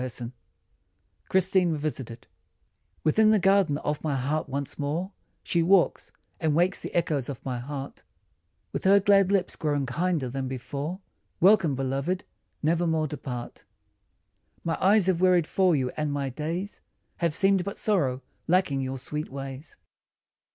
119 CHRISTINE REVISITED WITHIN the garden of my heart once more She walks, and wakes the echoes of my heart i With her glad lips grown kinder than before. Welcome, beloved ! never more depart. My eyes have wearied for you, and my days Have seemed but sorrow, lacking your sweet ways.